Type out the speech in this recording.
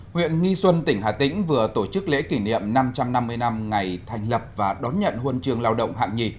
huyện nghi xuân tỉnh hà tĩnh vừa tổ chức lễ kỷ niệm năm trăm năm mươi năm ngày thành lập và đón nhận huân trường lao động hạng nhì